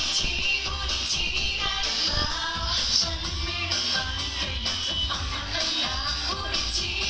เจ้าเจ้าเจ้าเจ้าเจ้าเจ้าเจ้าเจ้า